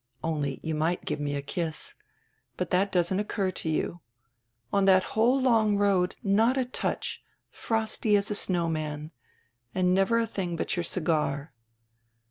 Only you might give me a kiss. But that doesn't occur to you. On tiiat whole long road not a touch, frosty as a snow man. And never a tiling but your cigar."